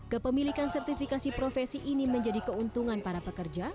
kepemilikan sertifikasi profesi ini menjadi keuntungan para pekerja